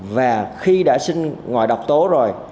và khi đã sinh ngoài độc tố rồi